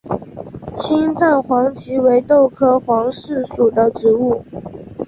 青藏黄耆为豆科黄芪属的植物。